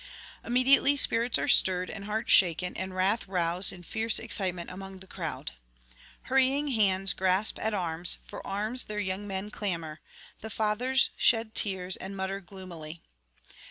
Immediately spirits are stirred and hearts shaken and wrath roused in fierce excitement among the crowd. Hurrying hands grasp at arms; for arms their young men clamour; the fathers shed tears and mutter gloomily.